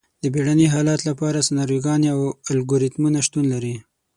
د بیړني حالت لپاره سناریوګانې او الګوریتمونه شتون لري.